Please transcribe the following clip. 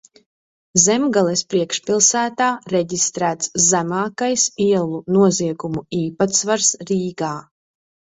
Zemgales priekšpilsētā reģistrēts zemākais ielu noziegumu īpatsvars Rīgā.